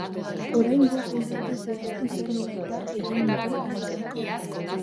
Oraingoz ez dute zehaztu zer dela-eta egin duten erasoa.